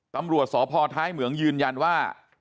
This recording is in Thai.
ตำรวจสพท้ายเหมืองยืนยันว่า